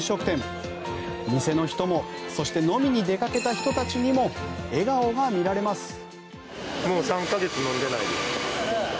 店の人も、そして飲みに出かけた人たちにも笑顔が見られます。